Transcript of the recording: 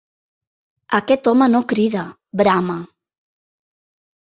Aquest home no crida, brama.